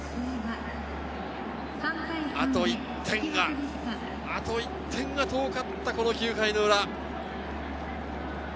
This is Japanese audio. あと１点が、あと１点が遠かった９回の裏。